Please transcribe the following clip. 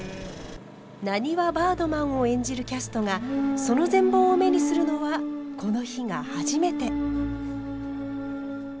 なにわバードマンを演じるキャストがその全貌を目にするのはこの日が初めて。